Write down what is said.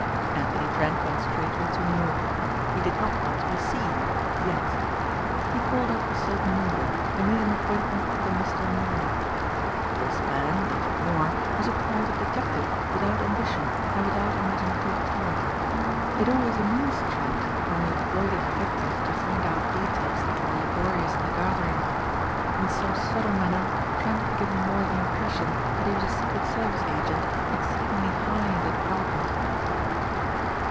Anthony Trent went straightway to New York. He did not want to be seen yet. He called up a certain number and made an appointment with a Mr. Moor. This man, David Moor, was a private detective without ambition and without imaginative talent. It always amused Trent when he employed a detective to find out details that were laborious in the gathering. In some subtle manner Trent had given Moor the impression that he was a secret service agent exceedingly high in the department.